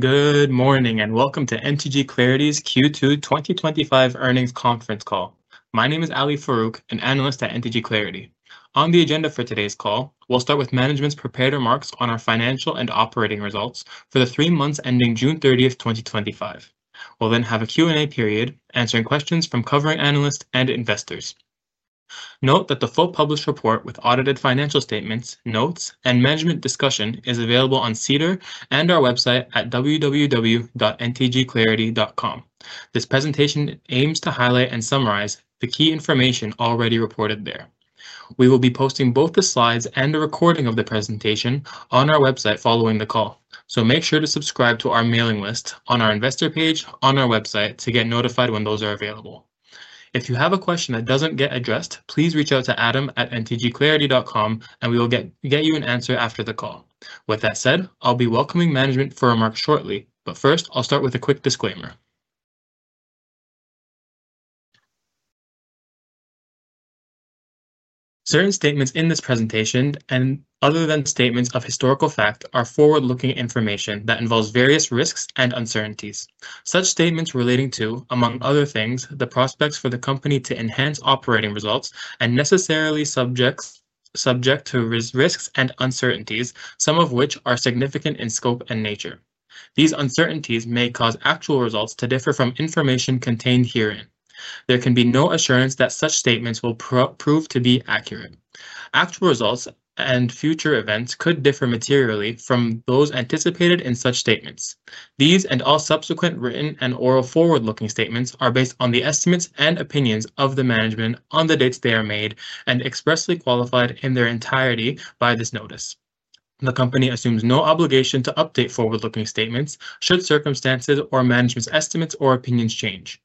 Good morning and welcome to NTG Clarity's Q2 2025 earnings conference call. My name is Ali Farouk, an analyst at NTG Clarity. On the agenda for today's call, we'll start with management's prepared remarks on our financial and operating results for the three months ending June 30th, 2025. We'll then have a Q&A period answering questions from covering analysts and investors. Note that the full published report with audited financial statements, notes, and management discussion is available on CEDR and our website at www.ntgclarity.com. This presentation aims to highlight and summarize the key information already reported there. We will be posting both the slides and a recording of the presentation on our website following the call. Make sure to subscribe to our mailing list on our investor page on our website to get notified when those are available. If you have a question that doesn't get addressed, please reach out to adam@ntgclarity.com and we will get you an answer after the call. With that said, I'll be welcoming management for remarks shortly, but first I'll start with a quick disclaimer. Certain statements in this presentation, other than statements of historical fact, are forward-looking information that involves various risks and uncertainties. Such statements relating to, among other things, the prospects for the company to enhance operating results are necessarily subject to risks and uncertainties, some of which are significant in scope and nature. These uncertainties may cause actual results to differ from information contained herein. There can be no assurance that such statements will prove to be accurate. Actual results and future events could differ materially from those anticipated in such statements. These and all subsequent written and oral forward-looking statements are based on the estimates and opinions of the management on the dates they are made and expressly qualified in their entirety by this notice. The company assumes no obligation to update forward-looking statements should circumstances or management's estimates or opinions change.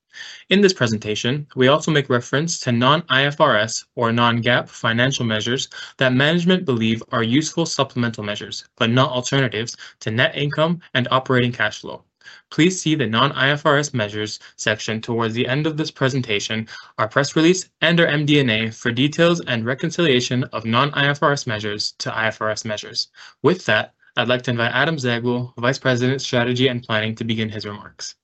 In this presentation, we also make reference to non-IFRS or non-GAAP financial measures that management believes are useful supplemental measures, but not alternatives to net income and operating cash flow. Please see the non-IFRS measures section towards the end of this presentation, our press release, and our MDNA for details and reconciliation of non-IFRS measures to IFRS measures. With that, I'd like to invite Adam Zaghloul, Vice President of Strategy and Planning, to begin his remarks.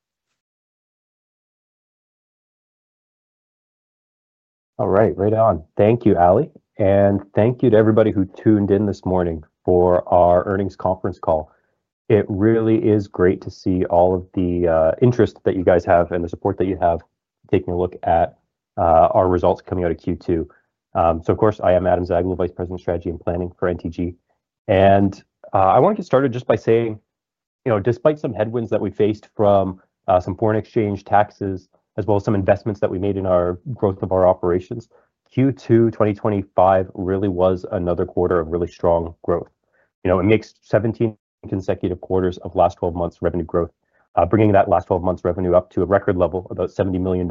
All right, right on. Thank you, Ali, and thank you to everybody who tuned in this morning for our earnings conference call. It really is great to see all of the interest that you guys have and the support that you have taking a look at our results coming out of Q2. Of course, I am Adam Zaghloul, Vice President of Strategy and Planning for NTG Clarity Networks Inc., and I want to get started just by saying, you know, despite some headwinds that we faced from some foreign exchange taxes as well as some investments that we made in our growth of our operations, Q2 2025 really was another quarter of really strong growth. It makes 17 consecutive quarters of last 12 months revenue growth, bringing that last 12 months revenue up to a record level of about $70 million.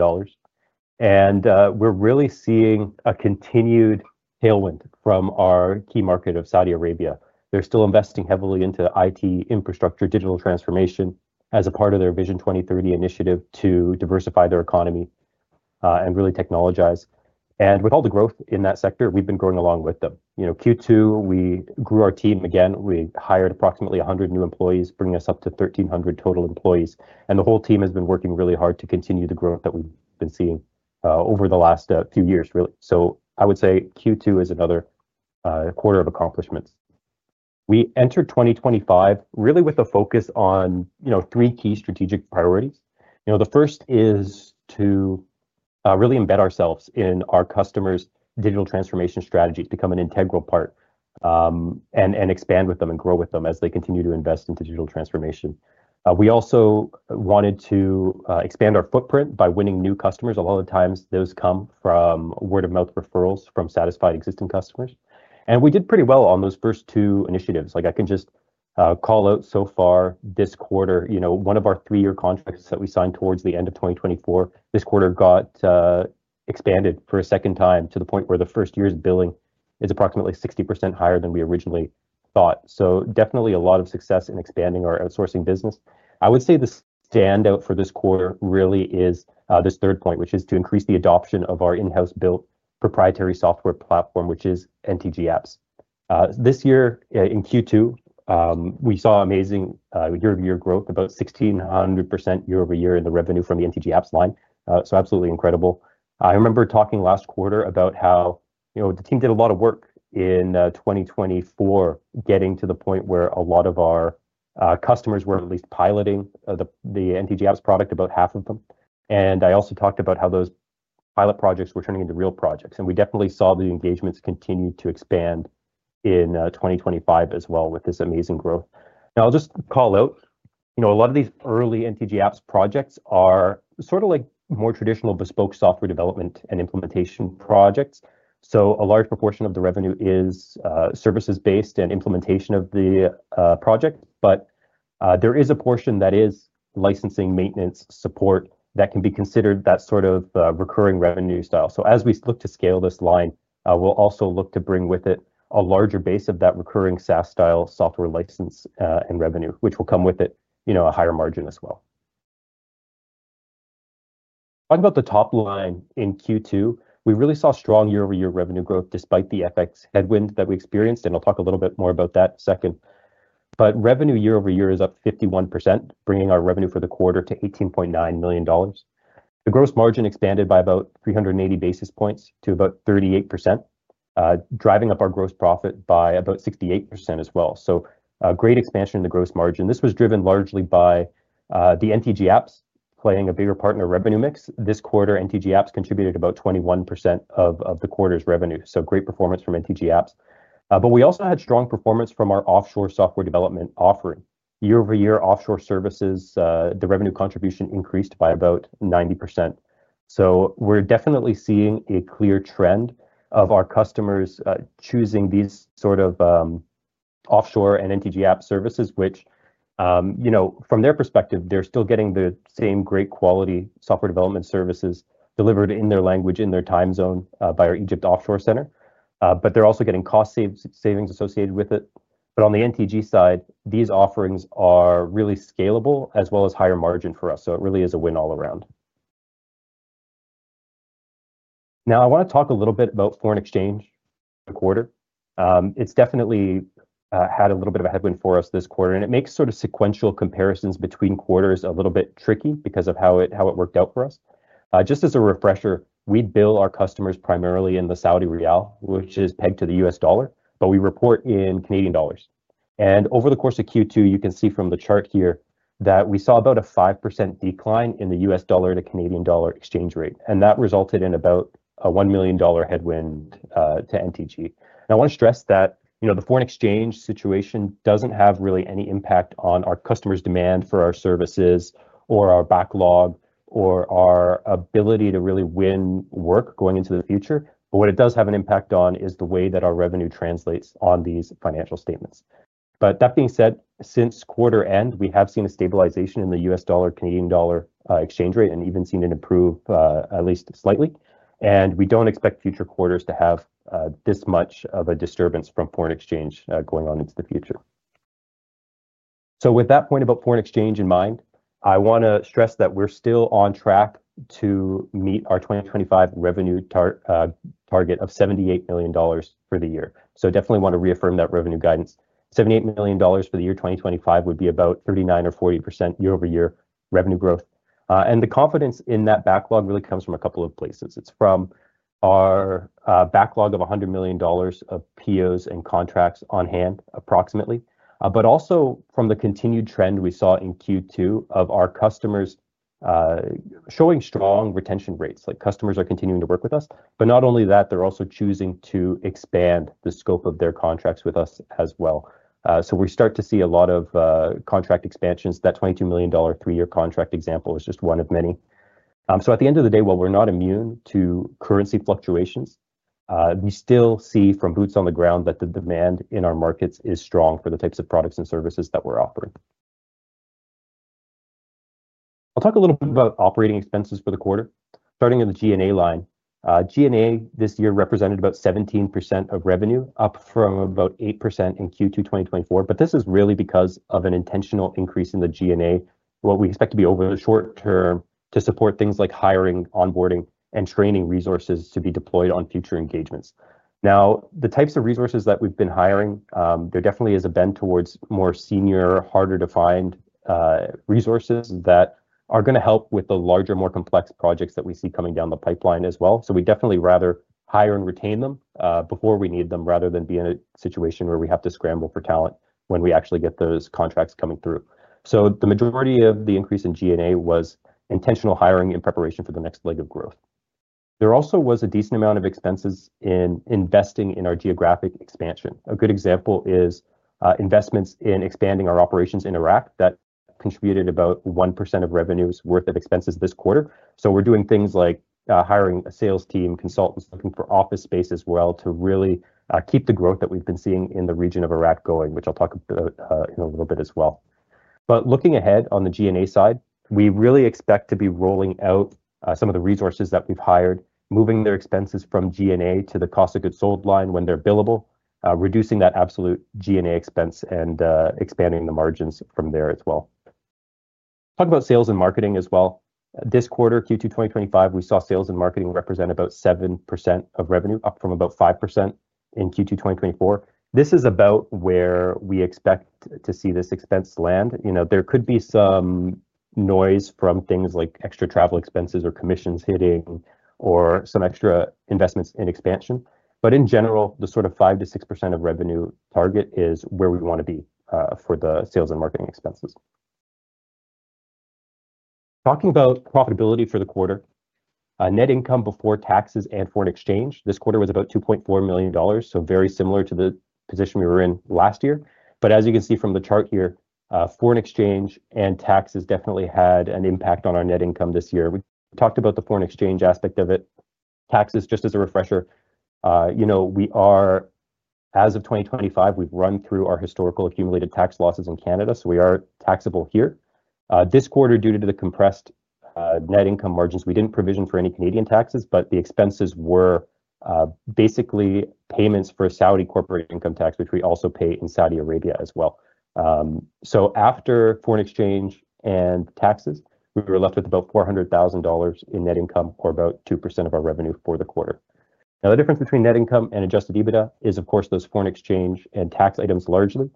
We're really seeing a continued tailwind from our key market of Saudi Arabia. They're still investing heavily into IT infrastructure, digital transformation as a part of their Vision 2030 initiative to diversify their economy and really technologize. With all the growth in that sector, we've been growing along with them. Q2, we grew our team again. We hired approximately 100 new employees, bringing us up to 1,300 total employees, and the whole team has been working really hard to continue the growth that we've been seeing over the last few years, really. I would say Q2 is another quarter of accomplishments. We entered 2025 really with a focus on, you know, three key strategic priorities. The first is to really embed ourselves in our customers' digital transformation strategy, become an integral part, and expand with them and grow with them as they continue to invest in digital transformation. We also wanted to expand our footprint by winning new customers. A lot of times those come from word-of-mouth referrals from satisfied existing customers. We did pretty well on those first two initiatives. I can just call out so far this quarter, one of our three-year contracts that we signed towards the end of 2024, this quarter got expanded for a second time to the point where the first year's billing is approximately 60% higher than we originally thought. Definitely a lot of success in expanding our outsourcing business. I would say the standout for this quarter really is this third point, which is to increase the adoption of our in-house built proprietary software platform, which is NTG Apps. This year in Q2, we saw amazing year-over-year growth, about 1,600% year-over-year in the revenue from the NTG Apps line. Absolutely incredible. I remember talking last quarter about how the team did a lot of work in 2024 getting to the point where a lot of our customers were at least piloting the NTG Apps product, about half of them. I also talked about how those pilot projects were turning into real projects, and we definitely saw the engagements continue to expand in 2025 as well with this amazing growth. Now I'll just call out, a lot of these early NTG Apps projects are sort of like more traditional bespoke software development and implementation projects. A large proportion of the revenue is services-based and implementation of the project, but there is a portion that is licensing, maintenance, support that can be considered that sort of recurring revenue style. As we look to scale this line, we'll also look to bring with it a larger base of that recurring SaaS style software license and revenue, which will come with it a higher margin as well. Talking about the top line in Q2, we really saw strong year-over-year revenue growth despite the FX headwind that we experienced, and I'll talk a little bit more about that in a second. Revenue year-over-year is up 51%, bringing our revenue for the quarter to $18.9 million. The gross margin expanded by about 380 basis points to about 38%, driving up our gross profit by about 68% as well. Great expansion in the gross margin. This was driven largely by the NTG Apps playing a bigger part in our revenue mix. This quarter, NTG Apps contributed about 21% of the quarter's revenue. Great performance from NTG Apps. We also had strong performance from our offshore software development offering. Year-over-year offshore services, the revenue contribution increased by about 90%. We're definitely seeing a clear trend of our customers choosing these sort of offshore and NTG Apps services, which, from their perspective, they're still getting the same great quality software development services delivered in their language, in their time zone by our Egypt offshore center. They're also getting cost savings associated with it. On the NTG side, these offerings are really scalable as well as higher margin for us. It really is a win all around. Now I want to talk a little bit about foreign exchange quarter. It's definitely had a little bit of a headwind for us this quarter, and it makes sort of sequential comparisons between quarters a little bit tricky because of how it worked out for us. Just as a refresher, we bill our customers primarily in the Saudi Riyal, which is pegged to the U.S. dollar, but we report in Canadian dollars. Over the course of Q2, you can see from the chart here that we saw about a 5% decline in the U.S. dollar to Canadian dollar exchange rate, and that resulted in about a $1 million headwind to NTG Clarity. I want to stress that the foreign exchange situation doesn't have really any impact on our customers' demand for our services or our backlog or our ability to really win work going into the future. What it does have an impact on is the way that our revenue translates on these financial statements. That being said, since quarter end, we have seen a stabilization in the U.S. dollar-Canadian dollar exchange rate and even seen it improve at least slightly. We don't expect future quarters to have this much of a disturbance from foreign exchange going on into the future. With that point about foreign exchange in mind, I want to stress that we're still on track to meet our 2025 revenue target of $78 million for the year. I definitely want to reaffirm that revenue guidance. $78 million for the year 2025 would be about 39% or 40% year-over-year revenue growth. The confidence in that backlog really comes from a couple of places. It's from our backlog of $100 million of POs and contracts on hand, approximately, but also from the continued trend we saw in Q2 of our customers showing strong retention rates. Customers are continuing to work with us, but not only that, they're also choosing to expand the scope of their contracts with us as well. We start to see a lot of contract expansions. That $22 million three-year contract example is just one of many. At the end of the day, while we're not immune to currency fluctuations, we still see from boots on the ground that the demand in our markets is strong for the types of products and services that we're offering. I'll talk a little bit about operating expenses for the quarter. Starting in the G&A line, G&A this year represented about 17% of revenue, up from about 8% in Q2 2024, but this is really because of an intentional increase in the G&A. What we expect to be over the short term to support things like hiring, onboarding, and training resources to be deployed on future engagements. Now, the types of resources that we've been hiring, there definitely is a bend towards more senior, harder to find resources that are going to help with the larger, more complex projects that we see coming down the pipeline as well. We'd definitely rather hire and retain them before we need them, rather than be in a situation where we have to scramble for talent when we actually get those contracts coming through. The majority of the increase in G&A was intentional hiring in preparation for the next leg of growth. There also was a decent amount of expenses in investing in our geographic expansion. A good example is investments in expanding our operations in Iraq that contributed about 1% of revenues' worth of expenses this quarter. We're doing things like hiring a sales team, consultants looking for office space as well to really keep the growth that we've been seeing in the region of Iraq going, which I'll talk about in a little bit as well. Looking ahead on the G&A side, we really expect to be rolling out some of the resources that we've hired, moving their expenses from G&A to the cost of goods sold line when they're billable, reducing that absolute G&A expense, and expanding the margins from there as well. Talk about sales and marketing as well. This quarter, Q2 2025, we saw sales and marketing represent about 7% of revenue, up from about 5% in Q2 2024. This is about where we expect to see this expense land. There could be some noise from things like extra travel expenses or commissions hitting or some extra investments in expansion. In general, the sort of 5% - 6% of revenue target is where we want to be for the sales and marketing expenses. Talking about profitability for the quarter, net income before taxes and foreign exchange this quarter was about $2.4 million, so very similar to the position we were in last year. As you can see from the chart here, foreign exchange and taxes definitely had an impact on our net income this year. We talked about the foreign exchange aspect of it. Taxes, just as a refresher, we are, as of 2025, we've run through our historical accumulated tax losses in Canada, so we are taxable here. This quarter, due to the compressed net income margins, we didn't provision for any Canadian taxes, but the expenses were basically payments for Saudi corporate income tax, which we also pay in Saudi Arabia as well. After foreign exchange and taxes, we were left with about $400,000 in net income for about 2% of our revenue for the quarter. The difference between net income and adjusted EBITDA is, of course, those foreign exchange and tax items largely.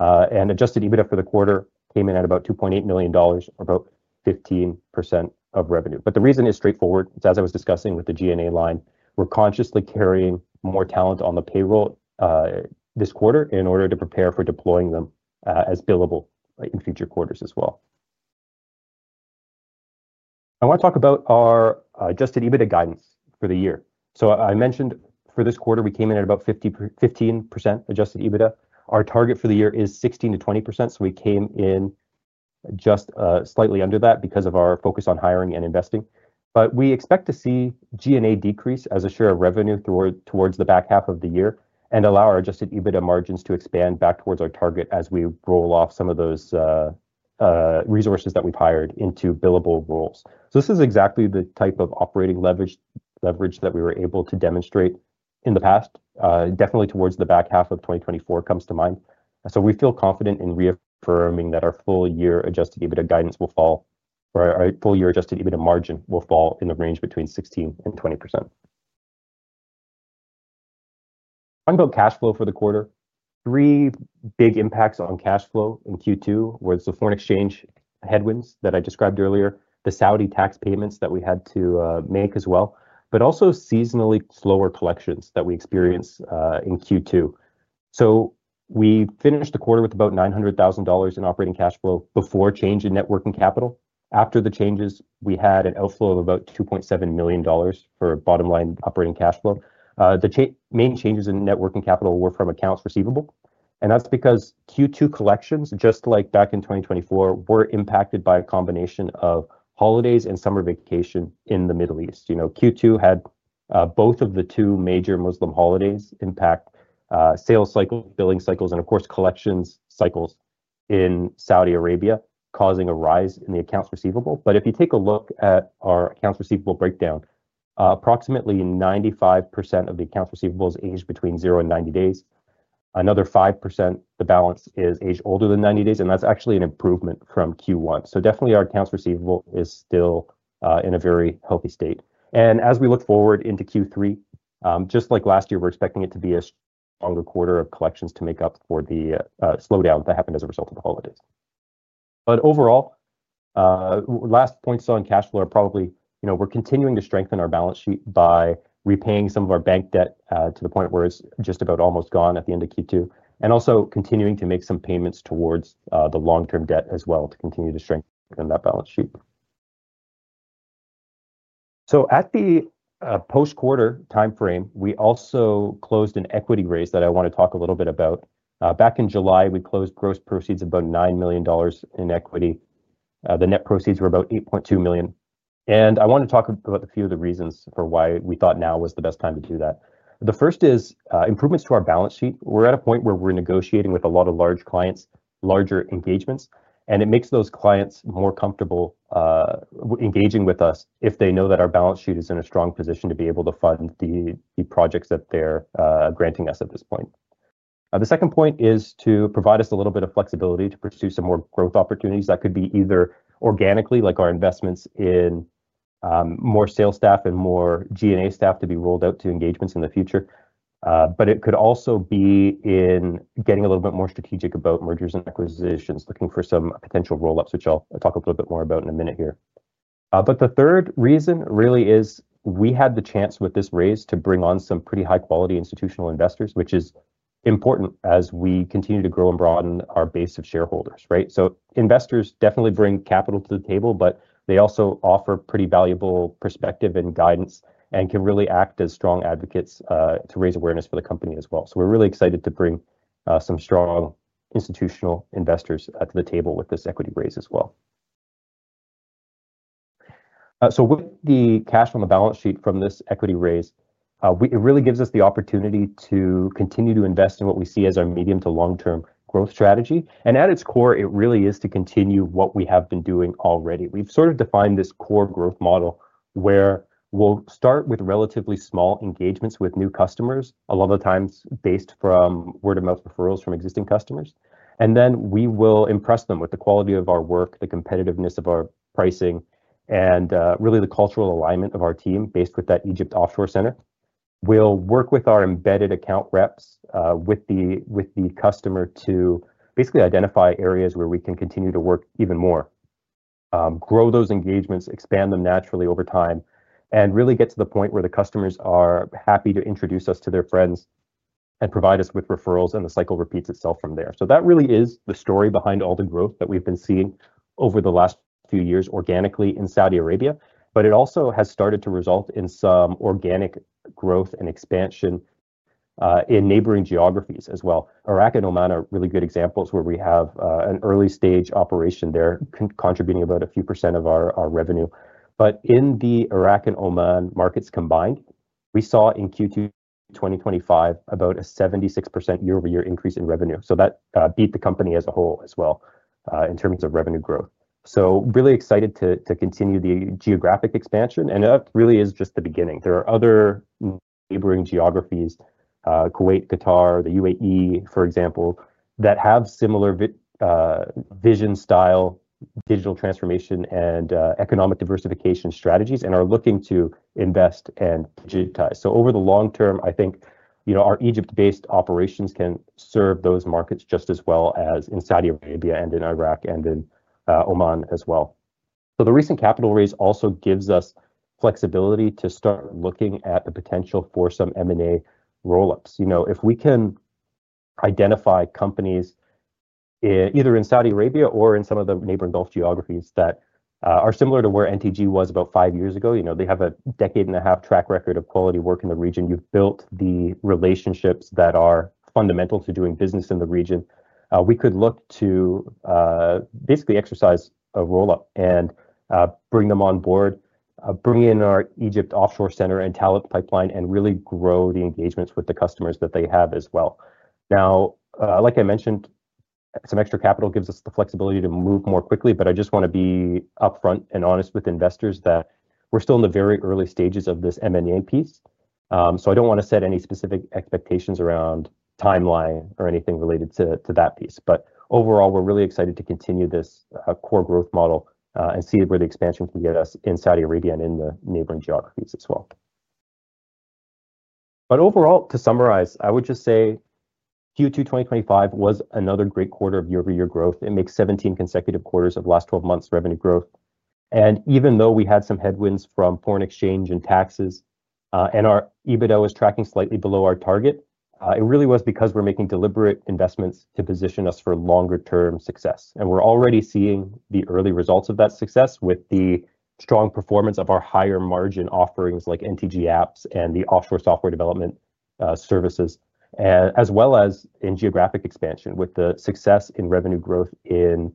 Adjusted EBITDA for the quarter came in at about $2.8 million, about 15% of revenue. The reason is straightforward. As I was discussing with the G&A line, we're consciously carrying more talent on the payroll this quarter in order to prepare for deploying them as billable in future quarters as well. I want to talk about our adjusted EBITDA guidance for the year. I mentioned for this quarter, we came in at about 15% adjusted EBITDA. Our target for the year is 16% to 20%, so we came in just slightly under that because of our focus on hiring and investing. We expect to see G&A decrease as a share of revenue towards the back half of the year and allow our adjusted EBITDA margins to expand back towards our target as we roll off some of those resources that we've hired into billable roles. This is exactly the type of operating leverage that we were able to demonstrate in the past. Definitely towards the back half of 2024 comes to mind. We feel confident in reaffirming that our full year adjusted EBITDA guidance will fall, or our full year adjusted EBITDA margin will fall in the range between 16% and 20%. Talking about cash flow for the quarter, three big impacts on cash flow in Q2 were the foreign exchange headwinds that I described earlier, the Saudi tax payments that we had to make as well, but also seasonally slower collections that we experienced in Q2. We finished the quarter with about $900,000 in operating cash flow before change in net working capital. After the changes, we had an outflow of about $2.7 million for bottom line operating cash flow. The main changes in net working capital were from accounts receivable, and that's because Q2 collections, just like back in 2024, were impacted by a combination of holidays and summer vacation in the Middle East. Q2 had both of the two major Muslim holidays impact sales cycles, billing cycles, and of course collections cycles in Saudi Arabia, causing a rise in the accounts receivable. If you take a look at our accounts receivable breakdown, approximately 95% of the accounts receivables aged between zero and 90 days. Another 5% of the balance is aged older than 90 days, and that's actually an improvement from Q1. Our accounts receivable is still in a very healthy state. As we look forward into Q3, just like last year, we're expecting it to be a stronger quarter of collections to make up for the slowdown that happened as a result of the holidays. Overall, last points on cash flow are probably, you know, we're continuing to strengthen our balance sheet by repaying some of our bank debt to the point where it's just about almost gone at the end of Q2, and also continuing to make some payments towards the long-term debt as well to continue to strengthen that balance sheet. At the post-quarter timeframe, we also closed an equity raise that I want to talk a little bit about. Back in July, we closed gross proceeds of about $9 million in equity. The net proceeds were about $8.2 million. I want to talk about a few of the reasons for why we thought now was the best time to do that. The first is improvements to our balance sheet. We're at a point where we're negotiating with a lot of large clients, larger engagements, and it makes those clients more comfortable engaging with us if they know that our balance sheet is in a strong position to be able to fund the projects that they're granting us at this point. The second point is to provide us a little bit of flexibility to pursue some more growth opportunities. That could be either organically, like our investments in more sales staff and more G&A staff to be rolled out to engagements in the future. It could also be in getting a little bit more strategic about mergers and acquisitions, looking for some potential roll-ups, which I'll talk a little bit more about in a minute here. The third reason really is we had the chance with this raise to bring on some pretty high-quality institutional investors, which is important as we continue to grow and broaden our base of shareholders. Investors definitely bring capital to the table, but they also offer pretty valuable perspective and guidance and can really act as strong advocates to raise awareness for the company as well. We're really excited to bring some strong institutional investors to the table with this equity raise as well. With the cash on the balance sheet from this equity raise, it really gives us the opportunity to continue to invest in what we see as our medium to long-term growth strategy. At its core, it really is to continue what we have been doing already. We've defined this core growth model where we'll start with relatively small engagements with new customers, a lot of the times based from word-of-mouth referrals from existing customers. We will impress them with the quality of our work, the competitiveness of our pricing, and really the cultural alignment of our team based with that Egypt offshore center. We'll work with our embedded account reps with the customer to basically identify areas where we can continue to work even more, grow those engagements, expand them naturally over time, and really get to the point where the customers are happy to introduce us to their friends and provide us with referrals, and the cycle repeats itself from there. That really is the story behind all the growth that we've been seeing over the last few years organically in Saudi Arabia. It also has started to result in some organic growth and expansion in neighboring geographies as well. Iraq and Oman are really good examples where we have an early-stage operation there contributing about a few % of our revenue. In the Iraq and Oman markets combined, we saw in Q2 2025 about a 76% year-over-year increase in revenue. That beat the company as a whole as well in terms of revenue growth. We are really excited to continue the geographic expansion, and that really is just the beginning. There are other neighboring geographies, Kuwait, Qatar, the U.A.E, for example, that have similar vision style digital transformation and economic diversification strategies and are looking to invest and digitize. Over the long term, I think our Egypt-based operations can serve those markets just as well as in Saudi Arabia and in Iraq and in Oman as well. The recent capital raise also gives us flexibility to start looking at the potential for some M&A roll-ups. If we can identify companies either in Saudi Arabia or in some of the neighboring Gulf geographies that are similar to where NTG Clarity was about five years ago, they have a decade and a half track record of quality work in the region. You've built the relationships that are fundamental to doing business in the region. We could look to basically exercise a roll-up and bring them on board, bring in our Egypt offshore center and talent pipeline, and really grow the engagements with the customers that they have as well. Now, like I mentioned, some extra capital gives us the flexibility to move more quickly. I just want to be upfront and honest with investors that we're still in the very early stages of this M&A piece. I don't want to set any specific expectations around timeline or anything related to that piece. Overall, we're really excited to continue this core growth model and see where the expansion can get us in Saudi Arabia and in the neighboring geographies as well. To summarize, I would just say Q2 2025 was another great quarter of year-over-year growth. It makes 17 consecutive quarters of the last 12 months revenue growth. Even though we had some headwinds from foreign exchange and taxes and our EBITDA was tracking slightly below our target, it really was because we're making deliberate investments to position us for longer-term success. We're already seeing the early results of that success with the strong performance of our higher margin offerings like NTG Apps and the offshore software development services, as well as in geographic expansion with the success in revenue growth in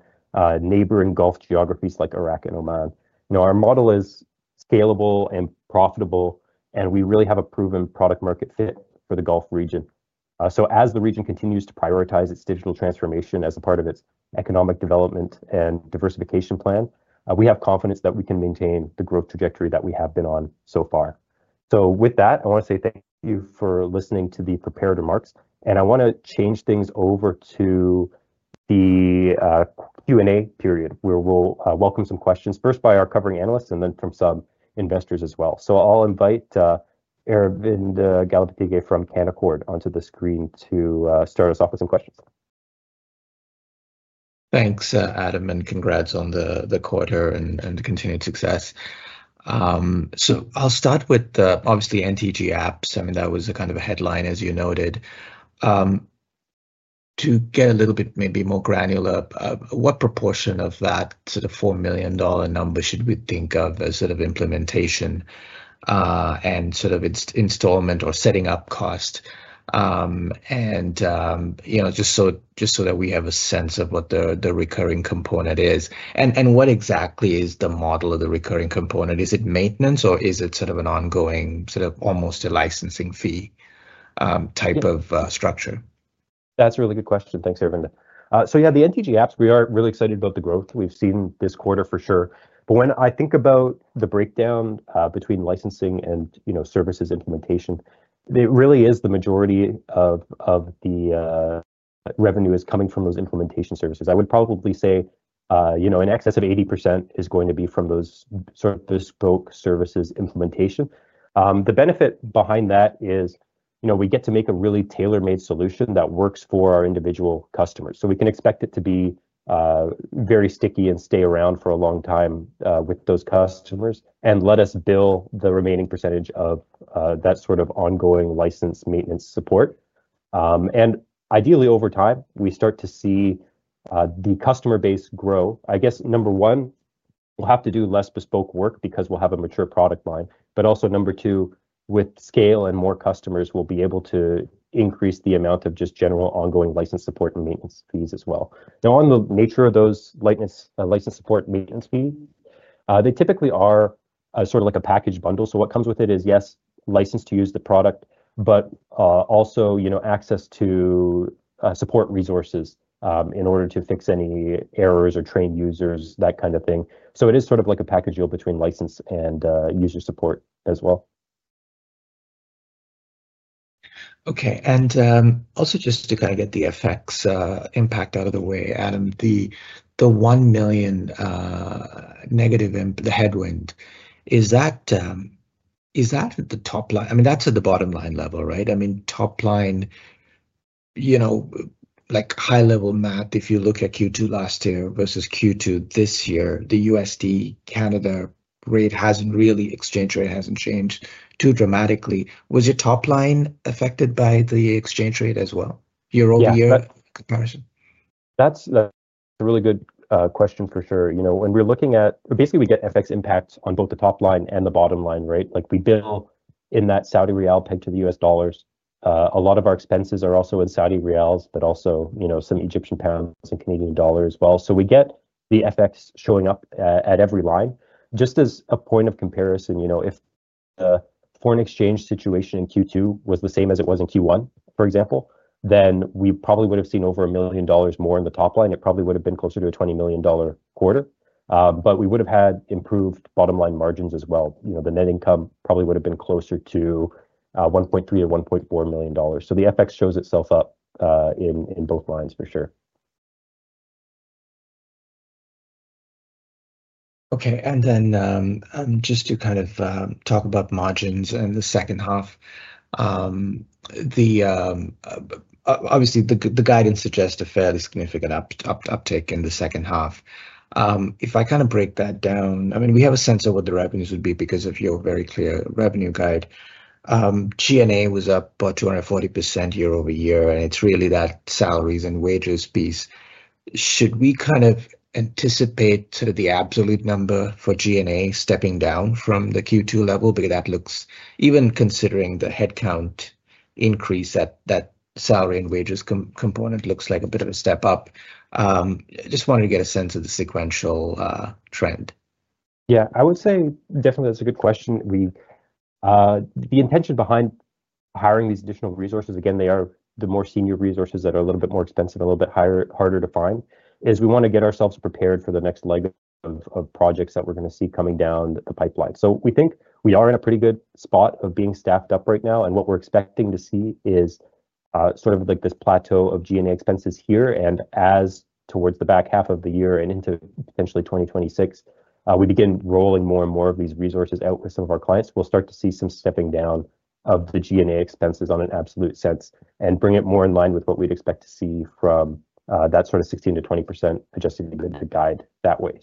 neighboring Gulf geographies like Iraq and Oman. Our model is scalable and profitable, and we really have a proven product-market fit for the Gulf region. As the region continues to prioritize its digital transformation as a part of its economic development and diversification plan, we have confidence that we can maintain the growth trajectory that we have been on so far. With that, I want to say thank you for listening to the prepared remarks, and I want to change things over to the Q&A period where we'll welcome some questions, first by our covering analysts and then from some investors as well. I'll invite Aravinda Galappatthige from Canaccord onto the screen to start us off with some questions. Thanks, Adam, and congrats on the quarter and the continued success. I'll start with obviously NTG Apps. I mean, that was a kind of a headline, as you noted. To get a little bit maybe more granular, what proportion of that sort of $4 million number should we think of as sort of implementation and sort of installment or setting up cost? Just so that we have a sense of what the recurring component is, and what exactly is the model of the recurring component? Is it maintenance or is it sort of an ongoing, almost a licensing fee type of structure? That's a really good question. Thanks, Aravinda. The NTG Apps, we are really excited about the growth we've seen this quarter for sure. When I think about the breakdown between licensing and services implementation, it really is the majority of the revenue is coming from those implementation services. I would probably say in excess of 80% is going to be from those bespoke services implementation. The benefit behind that is we get to make a really tailor-made solution that works for our individual customers. We can expect it to be very sticky and stay around for a long time with those customers and let us bill the remaining percentage of that ongoing license maintenance support. Ideally, over time, we start to see the customer base grow. Number one, we'll have to do less bespoke work because we'll have a mature product line. Number two, with scale and more customers, we'll be able to increase the amount of just general ongoing license support and maintenance fees as well. On the nature of those license support and maintenance fees, they typically are like a package bundle. What comes with it is, yes, license to use the product, but also access to support resources in order to fix any errors or train users, that kind of thing. It is like a package deal between license and user support as well. Also, just to get the FX impact out of the way, Adam, the $1 million negative headwind, is that at the top line? I mean, that's at the bottom line level, right? I mean, top line, high-level math, if you look at Q2 last year versus Q2 this year, the USD Canada rate hasn't really, exchange rate hasn't changed too dramatically. Was your top line affected by the exchange rate as well, year-over-year comparison? That's a really good question for sure. When we're looking at, basically, we get FX impacts on both the top line and the bottom line, right? We bill in that Saudi Riyal pegged to the U.S. dollars. A lot of our expenses are also in Saudi Riyals, but also some Egyptian pounds and Canadian dollars as well. We get the FX showing up at every line. Just as a point of comparison, you know, if the foreign exchange situation in Q2 was the same as it was in Q1, for example, then we probably would have seen over $1 million more in the top line. It probably would have been closer to a $20 million quarter. We would have had improved bottom line margins as well. The net income probably would have been closer to $1.3 or $1.4 million. The FX shows itself up in both lines for sure. Okay. Just to kind of talk about margins in the second half, obviously, the guidance suggests a fairly significant uptake in the second half. If I kind of break that down, I mean, we have a sense of what the revenues would be because of your very clear revenue guide. G&A was up about 240% year over year, and it's really that salaries and wages piece. Should we kind of anticipate the absolute number for G&A stepping down from the Q2 level? Because that looks, even considering the headcount increase, that salary and wages component looks like a bit of a step up. I just wanted to get a sense of the sequential trend. Yeah, I would say definitely that's a good question. The intention behind hiring these additional resources, again, they are the more senior resources that are a little bit more expensive and a little bit harder to find, is we want to get ourselves prepared for the next leg of projects that we're going to see coming down the pipeline. We think we are in a pretty good spot of being staffed up right now, and what we're expecting to see is sort of like this plateau of G&A expenses here. As towards the back half of the year and into potentially 2026, we begin rolling more and more of these resources out with some of our clients, we'll start to see some stepping down of the G&A expenses on an absolute sense and bring it more in line with what we'd expect to see from that sort of 16% to 20% adjusted EBITDA guide that way.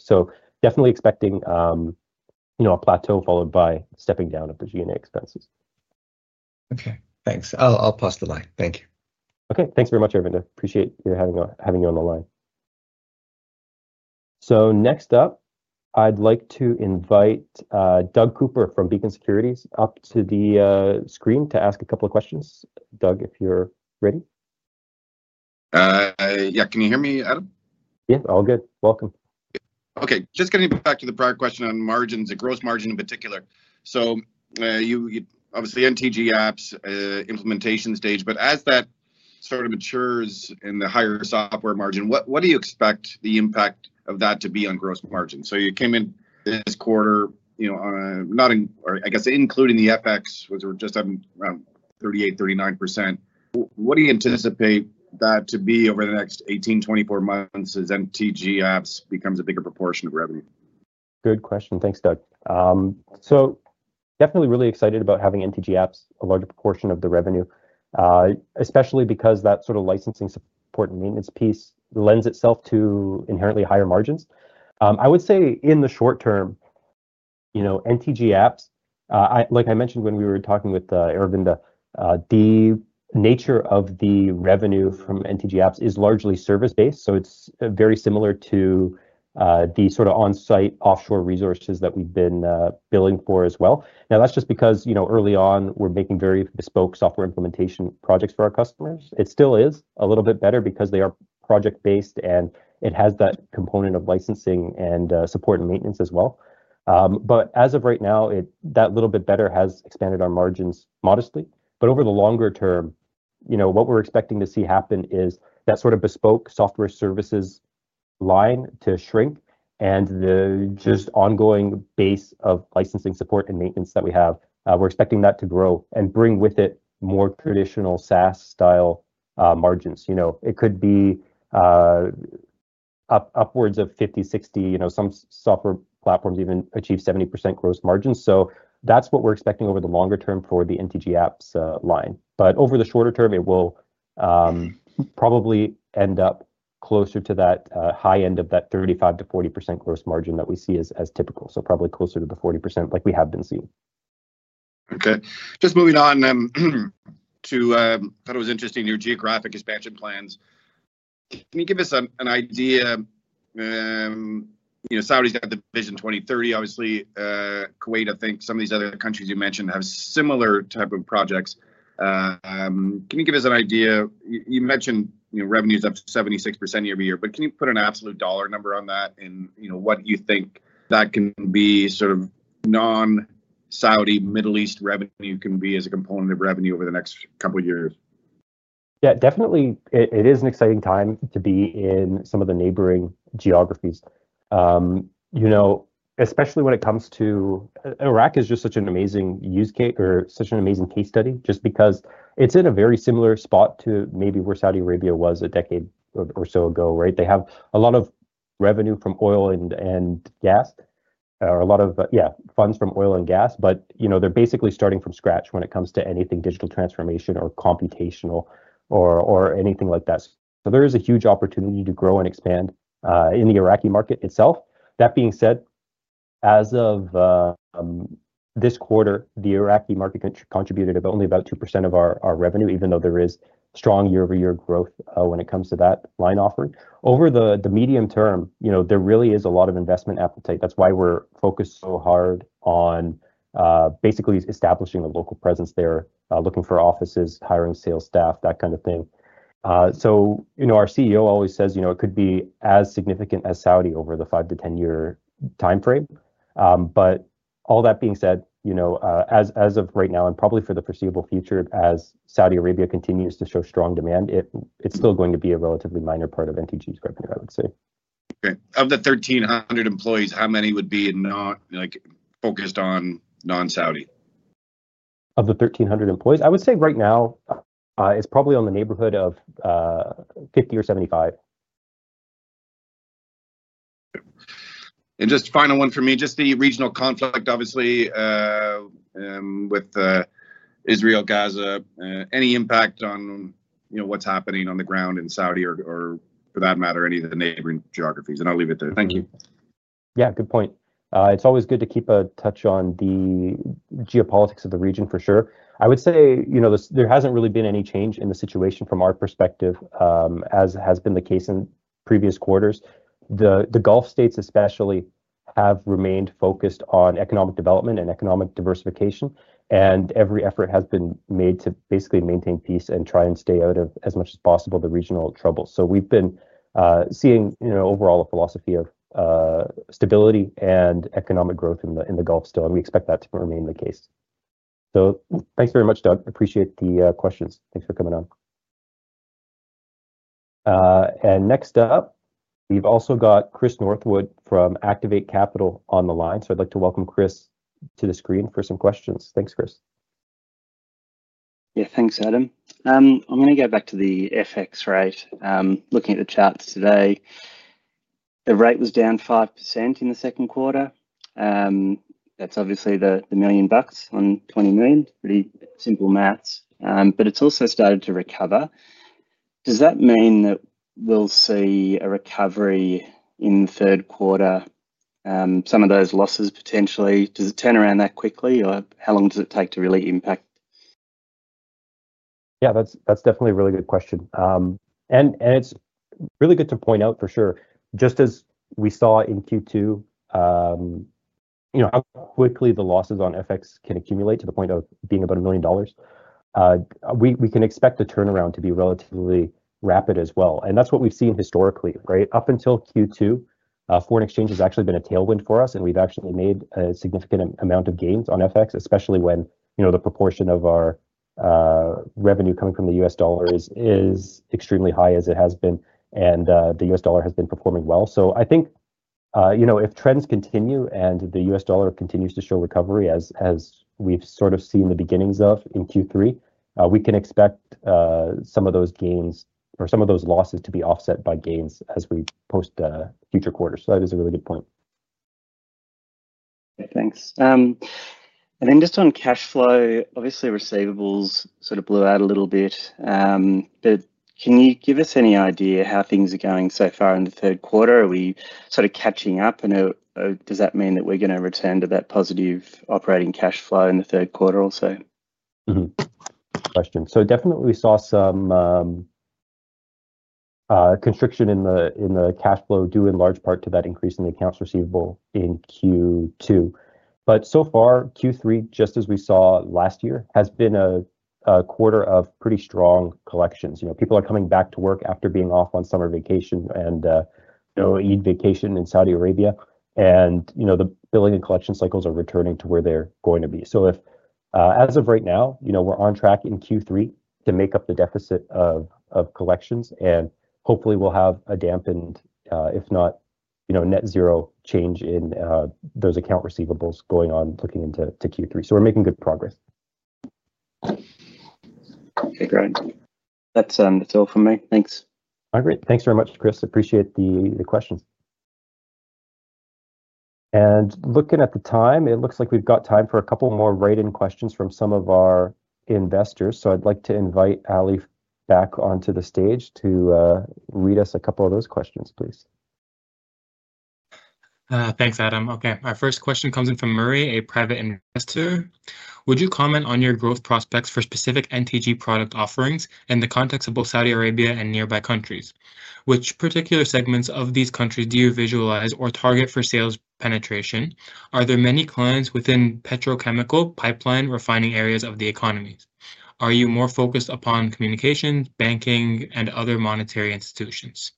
Definitely expecting a plateau followed by stepping down of the G&A expenses. Okay, thanks. I'll pause the line. Thank you. Okay, thanks very much, Ervin. I appreciate having you on the line. Next up, I'd like to invite Doug Cooper from Beacon Securities up to the screen to ask a couple of questions. Doug, if you're ready. Yeah, can you hear me, Adam? Yeah, all good. Welcome. Okay, just getting back to the prior question on margins, the gross margin in particular. You obviously have NTG Apps implementation stage, but as that sort of matures in the higher software margin, what do you expect the impact of that to be on gross margin? You came in this quarter, you know, not in, or I guess including the FX, was just at 38%, 39%. What do you anticipate that to be over the next 18, 24 months as NTG Apps becomes a bigger proportion of revenue? Good question. Thanks, Doug. Definitely really excited about having NTG Apps a larger proportion of the revenue, especially because that sort of licensing support and maintenance piece lends itself to inherently higher margins. I would say in the short term, you know, NTG Apps, like I mentioned when we were talking with Aravinda, the nature of the revenue from NTG Apps is largely service-based. It is very similar to the sort of on-site offshore resources that we've been billing for as well. That is just because, you know, early on we're making very bespoke software implementation projects for our customers. It still is a little bit better because they are project-based and it has that component of licensing and support and maintenance as well. As of right now, that little bit better has expanded our margins modestly. Over the longer term, you know, what we're expecting to see happen is that sort of bespoke software services line to shrink and the just ongoing base of licensing support and maintenance that we have. We're expecting that to grow and bring with it more traditional SaaS style margins. It could be upwards of 50%, 60%, you know, some software platforms even achieve 70% gross margins. That is what we're expecting over the longer term for the NTG Apps line. Over the shorter term, it will probably end up closer to that high end of that 35% - 40% gross margin that we see as typical, so probably closer to the 40% like we have been seeing. Okay, just moving on to, I thought it was interesting, your geographic expansion plans. Can you give us an idea? Saudi's got the Vision 2030, obviously. Kuwait, I think some of these other countries you mentioned have similar types of projects. Can you give us an idea? You mentioned revenue is up to 76% year-over-year, but can you put an absolute dollar number on that and what you think that can be, sort of non-Saudi Middle East revenue can be as a component of revenue over the next couple of years? Yeah, definitely. It is an exciting time to be in some of the neighboring geographies, especially when it comes to Iraq. It is just such an amazing use case or such an amazing case study just because it's in a very similar spot to maybe where Saudi Arabia was a decade or so ago, right? They have a lot of revenue from oil and gas, or a lot of funds from oil and gas, but they're basically starting from scratch when it comes to anything digital transformation or computational or anything like that. There is a huge opportunity to grow and expand in the Iraqi market itself. That being said, as of this quarter, the Iraqi market contributed only about 2% of our revenue, even though there is strong year-over-year growth when it comes to that line offering. Over the medium term, there really is a lot of investment appetite. That's why we're focused so hard on basically establishing a local presence there, looking for offices, hiring sales staff, that kind of thing. Our CEO always says it could be as significant as Saudi over the five to 10 year timeframe. All that being said, as of right now and probably for the foreseeable future, as Saudi Arabia continues to show strong demand, it's still going to be a relatively minor part of NTG Clarity's revenue, I would say. Okay. Of the 1,300 employees, how many would be not like focused on non-Saudi? Of the 1,300 employees, I would say right now it's probably in the neighborhood of 50 or 75. Just the final one for me, the regional conflict, obviously, with Israel, Gaza, any impact on what's happening on the ground in Saudi or, for that matter, any of the neighboring geographies? I'll leave it there. Thank you. Yeah, good point. It's always good to keep a touch on the geopolitics of the region for sure. I would say there hasn't really been any change in the situation from our perspective, as has been the case in previous quarters. The Gulf states especially have remained focused on economic development and economic diversification, and every effort has been made to basically maintain peace and try and stay out of as much as possible the regional troubles. We've been seeing overall a philosophy of stability and economic growth in the Gulf still, and we expect that to remain the case. Thanks very much, Doug. Appreciate the questions. Thanks for coming on. Next up, we've also got Chris Northwood from Activ8 Capital on the line. I'd like to welcome Chris to the screen for some questions. Thanks, Chris. Yeah, thanks, Adam. I'm going to go back to the FX rate. Looking at the charts today, the rate was down 5% in the second quarter. That's obviously the million bucks on $20 million, pretty simple math. It's also started to recover. Does that mean that we'll see a recovery in the third quarter? Some of those losses potentially, does it turn around that quickly or how long does it take to really impact? Yeah, that's definitely a really good question. It's really good to point out for sure, just as we saw in Q2, how quickly the losses on FX can accumulate to the point of being about $1 million. We can expect the turnaround to be relatively rapid as well. That's what we've seen historically, right? Up until Q2, foreign exchange has actually been a tailwind for us, and we've actually made a significant amount of gains on FX, especially when the proportion of our revenue coming from the U.S. dollar is extremely high as it has been, and the U.S. dollar has been performing well. I think if trends continue and the U.S. dollar continues to show recovery, as we've sort of seen the beginnings of in Q3, we can expect some of those gains or some of those losses to be offset by gains as we post the future quarters. That is a really good point. Thanks. On cash flow, obviously receivables sort of blew out a little bit. Can you give us any idea how things are going so far in the third quarter? Are we sort of catching up? Does that mean that we're going to return to that positive operating cash flow in the third quarter also? Definitely we saw some constriction in the cash flow due in large part to that increase in the accounts receivable in Q2. So far, Q3, just as we saw last year, has been a quarter of pretty strong collections. People are coming back to work after being off on summer vacation and Eid vacation in Saudi Arabia, and the billing and collection cycles are returning to where they're going to be. As of right now, we're on track in Q3 to make up the deficit of collections, and hopefully we'll have a dampened, if not net zero, change in those account receivables looking into Q3. We're making good progress. Okay, great. That's all for me. Thanks. All right, thanks very much, Chris. Appreciate the questions. Looking at the time, it looks like we've got time for a couple more write-in questions from some of our investors. I'd like to invite Ali back onto the stage to read us a couple of those questions, please. Thanks, Adam. Okay, our first question comes in from Murray, a private investor. Would you comment on your growth prospects for specific NTG product offerings in the context of both Saudi Arabia and nearby countries? Which particular segments of these countries do you visualize or target for sales penetration? Are there many clients within petrochemical pipeline refining areas of the economies? Are you more focused upon communications, banking, and other monetary institutions?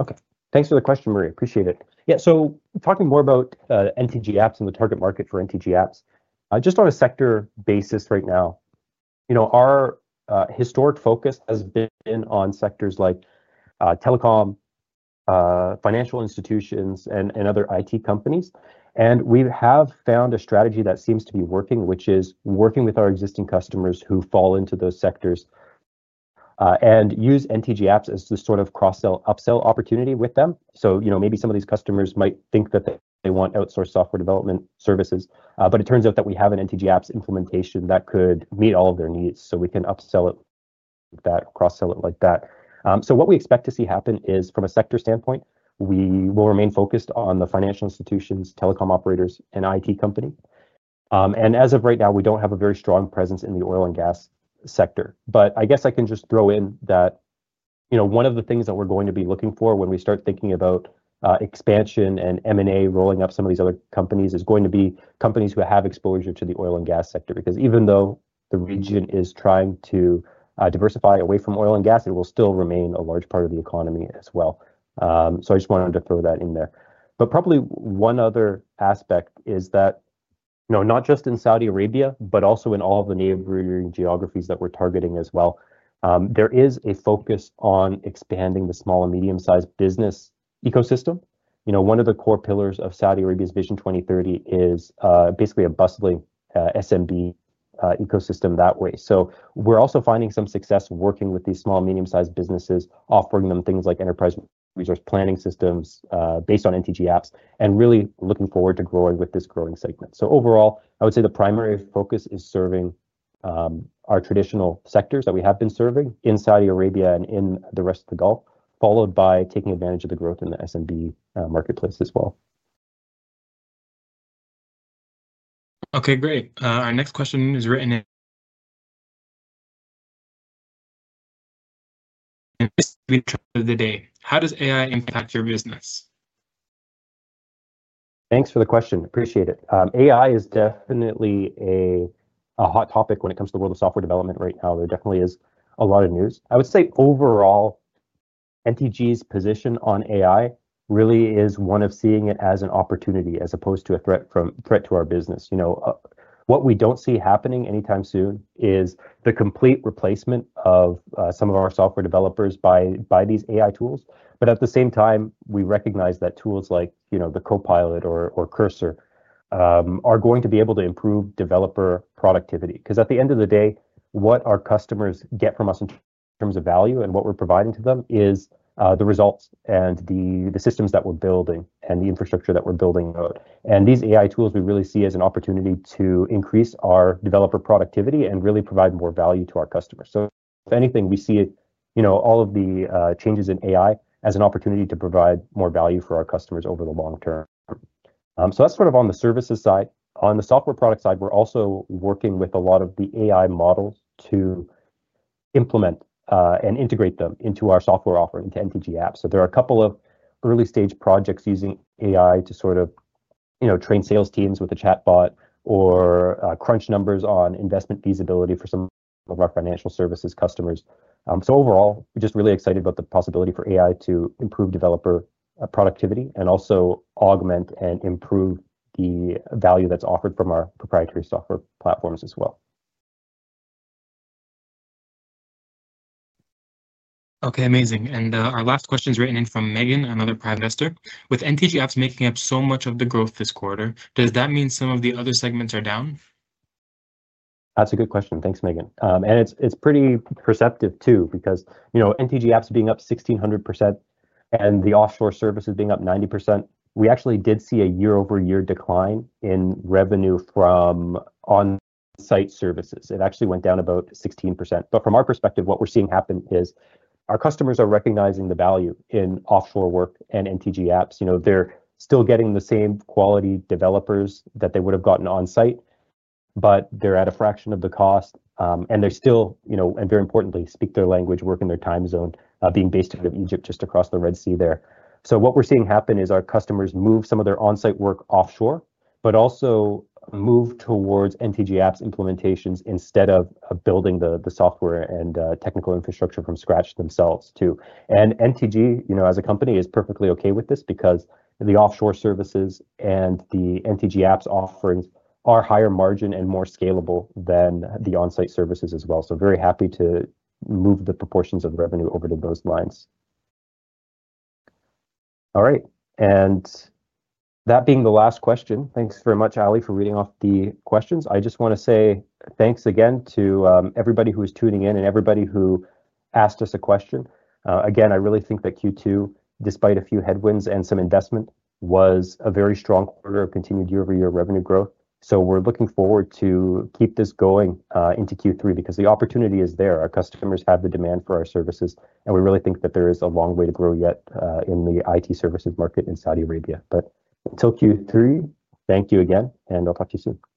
Okay, thanks for the question, Murray. Appreciate it. Yeah, talking more about NTG Apps and the target market for NTG Apps, just on a sector basis right now, our historic focus has been on sectors like telecom, financial institutions, and other IT companies. We have found a strategy that seems to be working, which is working with our existing customers who fall into those sectors and use NTG Apps as the sort of cross-sell, upsell opportunity with them. Some of these customers might think that they want outsourced software development services, but it turns out that we have an NTG Apps implementation that could meet all of their needs. We can upsell it, cross-sell it like that. What we expect to see happen is from a sector standpoint, we will remain focused on the financial institutions, telecom operators, and IT companies. As of right now, we don't have a very strong presence in the oil and gas sector. I can just throw in that one of the things that we're going to be looking for when we start thinking about expansion and M&A, rolling up some of these other companies, is going to be companies who have exposure to the oil and gas sector. Even though the region is trying to diversify away from oil and gas, it will still remain a large part of the economy as well. I just wanted to throw that in there. Probably one other aspect is that not just in Saudi Arabia, but also in all of the neighboring geographies that we're targeting as well, there is a focus on expanding the small and medium-sized business ecosystem. One of the core pillars of Saudi Arabia's Vision 2030 is basically a bustling SMB ecosystem that way. We're also finding some success working with these small and medium-sized businesses, offering them things like enterprise resource planning systems based on NTG Apps and really looking forward to growing with this growing segment. Overall, I would say the primary focus is serving our traditional sectors that we have been serving in Saudi Arabia and in the rest of the Gulf, followed by taking advantage of the growth in the SMB marketplace as well. Okay, great. Our next question is written in. This is the day. How does AI impact your business? Thanks for the question. Appreciate it. AI is definitely a hot topic when it comes to the world of software development right now. There definitely is a lot of news. I would say overall, NTG Clarity's position on AI really is one of seeing it as an opportunity as opposed to a threat to our business. What we don't see happening anytime soon is the complete replacement of some of our software developers by these AI tools. At the same time, we recognize that tools like Copilot or Cursor are going to be able to improve developer productivity. At the end of the day, what our customers get from us in terms of value and what we're providing to them is the results and the systems that we're building and the infrastructure that we're building out. These AI tools we really see as an opportunity to increase our developer productivity and really provide more value to our customers. If anything, we see all of the changes in AI as an opportunity to provide more value for our customers over the long term. That's sort of on the services side. On the software product side, we're also working with a lot of the AI models to implement and integrate them into our software offering to NTG Apps. There are a couple of early-stage projects using AI to train sales teams with a chatbot or crunch numbers on investment feasibility for some of our financial institutions customers. Overall, we're just really excited about the possibility for AI to improve developer productivity and also augment and improve the value that's offered from our proprietary software platforms as well. Okay, amazing. Our last question is written in from Megan, another private investor. With NTG Apps making up so much of the growth this quarter, does that mean some of the other segments are down? That's a good question. Thanks, Megan. It's pretty perceptive too, because, you know, NTG Apps being up 1,600% and the offshore services being up 90%, we actually did see a year-over-year decline in revenue from on-site services. It actually went down about 16%. From our perspective, what we're seeing happen is our customers are recognizing the value in offshore work and NTG Apps. They're still getting the same quality developers that they would have gotten on-site, but they're at a fraction of the cost. They're still, and very importantly, speak their language, work in their time zone, being based out of Egypt, just across the Red Sea there. What we're seeing happen is our customers move some of their on-site work offshore, but also move towards NTG Apps implementations instead of building the software and technical infrastructure from scratch themselves too. NTG, as a company, is perfectly okay with this because the offshore services and the NTG Apps offerings are higher margin and more scalable than the on-site services as well. Very happy to move the proportions of the revenue over to those lines. All right. That being the last question, thanks very much, Ali, for reading off the questions. I just want to say thanks again to everybody who is tuning in and everybody who asked us a question. Again, I really think that Q2, despite a few headwinds and some investment, was a very strong quarter of continued year-over-year revenue growth. We're looking forward to keep this going into Q3 because the opportunity is there. Our customers have the demand for our services, and we really think that there is a long way to grow yet in the IT services market in Saudi Arabia. Till Q3, thank you again, and I'll talk to you soon.